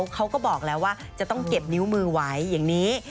เขาก็บอกแล้วว่าจะต้องเก็บนิ้วมือไว้อย่างนี้